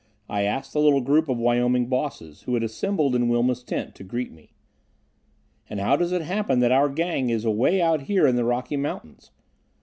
I asked the little group of Wyoming Bosses who had assembled in Wilma's tent to greet me. "And how does it happen that our gang is away out here in the Rocky Mountains?